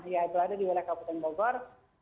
ya itu ada di wilayah kabupaten bogor